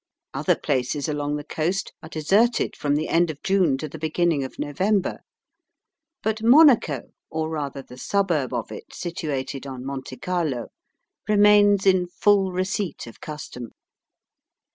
Other places along the coast are deserted from the end of June to the beginning of November. But Monaco, or rather the suburb of it situated on Monte Carlo, remains in full receipt of custom.